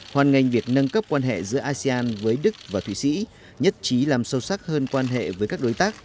hoàn ngành việc nâng cấp quan hệ giữa asean với đức và thụy sĩ nhất trí làm sâu sắc hơn quan hệ với các đối tác